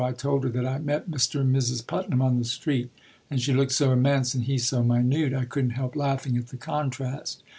I told her that I met Mr. and Mrs. Putnam on the street and she looked so immense and he so minute I couldn't help laughing at the contrast.